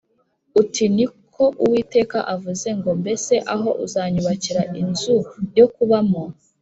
uti ‘Uko ni ko Uwiteka avuze ngo: Mbese aho uzanyubakira inzu yo kubamo?